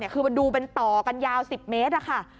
คือมันดูเป็นต่อกันยาว๑๐เมตรค่ะ